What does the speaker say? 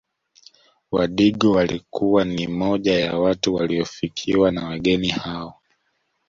Wadigo walikuwa ni moja ya watu waliofikiwa na wageni hao